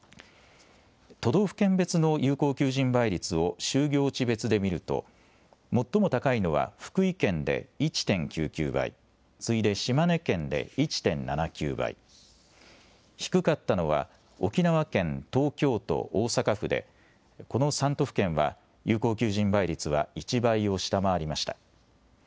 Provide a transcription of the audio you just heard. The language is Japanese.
都道府県別の有効求人倍率を就業地別で見ると、最も高いのは福井県で１．９９倍、次いで島根県で１．７９倍、低かったのは、沖縄県、東京都、大阪府で、この３都府県は有効求人倍率は１倍を下回りました。